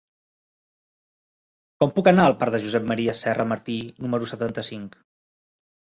Com puc anar al parc de Josep M. Serra Martí número setanta-cinc?